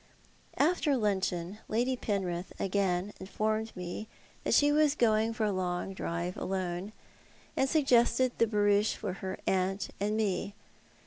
After luncheon. Lady Penrith again informed me that she was going for a long drive alone, and suggested tlie baroucb.c for her aunt and me.